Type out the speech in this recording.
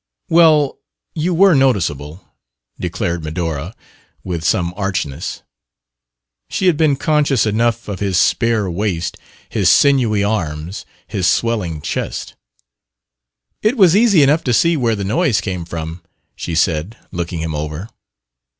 "Well, you were noticeable," declared Medora, with some archness. She had been conscious enough of his spare waist, his sinewy arms, his swelling chest. "It was easy enough to see where the noise came from," she said, looking him over.